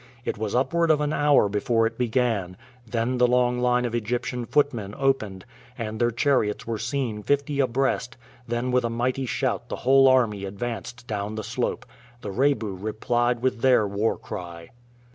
It was upward of an hour before it began, then the long line of Egyptian footmen opened, and their chariots were seen fifty abreast, then with a mighty shout the whole army advanced down the slope. The Rebu replied with their warcry.